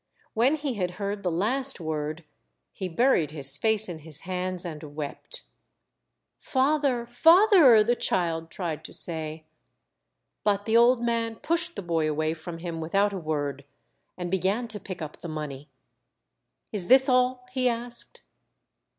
When he had heard the last word, he buried his face in his hands and wept. " Father, father !" the child tried to say. But the old man pushed the boy away from him without a word, and began to pick up the money. " Is this all? " he asked.